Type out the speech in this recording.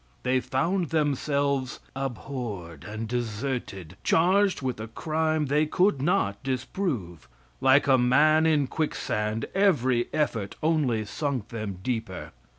They found themselves abhorred and deserted, charged with a crime they could not disprove. Like a man in quicksand, every effort only sunk them deeper.